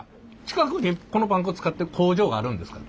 近くにこのパン粉作ってる工場があるんですか？